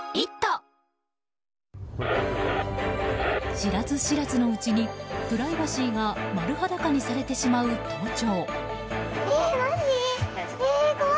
知らず知らずのうちにプライバシーが丸裸にされてしまう盗聴。